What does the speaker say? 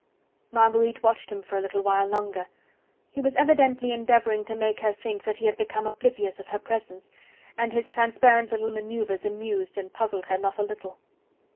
Marguerite watched him for a little while longer: he was evidently endeavouring to make her think that he had become oblivious of her presence, and his transparent little manoeuvers amused and puzzled her not a little.